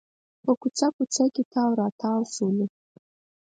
په کوڅو کوڅو کې تاو راتاو شولو.